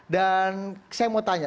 dan saya mau tanya